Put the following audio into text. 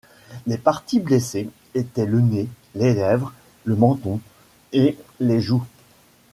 Les parties blessées étaient le nez, les lèvres, le menton et les joues.